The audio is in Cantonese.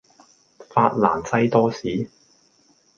法蘭西多士